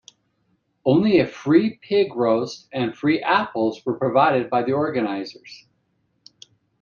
Only a free pig roast and free apples were provided by the organizers.